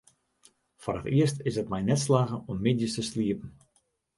Foar it earst is it my net slagge om middeis te sliepen.